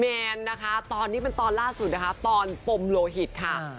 แมนนะคะตอนนี้เป็นตอนล่าสุดนะคะตอนปมโลหิตค่ะ